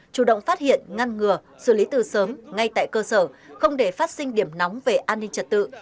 chủ động phát hiện ngăn ngừa xử lý từ sớm ngay tại cơ sở không để phát sinh điểm nóng về an ninh trật tự